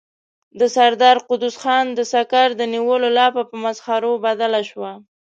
د سردار قدوس خان د سکر د نيولو لاپه په مسخرو بدله شوه.